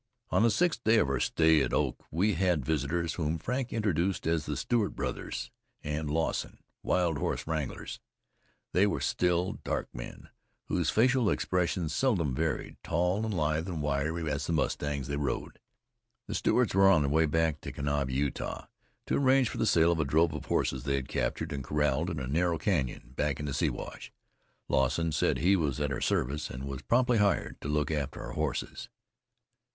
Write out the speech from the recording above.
On the sixth day of our stay at Oak we had visitors, whom Frank introduced as the Stewart brothers and Lawson, wild horse wranglers. They were still, dark men, whose facial expression seldom varied; tall and lithe and wiry as the mustangs they rode. The Stewarts were on their way to Kanab, Utah, to arrange for the sale of a drove of horses they had captured and corraled in a narrow canyon back in the Siwash. Lawson said he was at our service, and was promptly hired to look after our horses.